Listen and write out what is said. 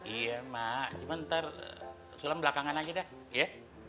iya mak cuma ntar sulam belakangan aja deh ya